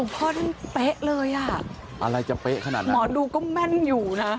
ท่อนเป๊ะเลยอ่ะอะไรจะเป๊ะขนาดนั้นหมอดูก็แม่นอยู่นะ